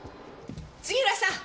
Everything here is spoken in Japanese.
杉浦さん！